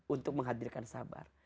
untuk menghadirkan sabar